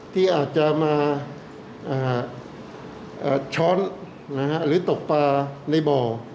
ที่อาจจะมาช้อนหรือตกปลาในบ่อ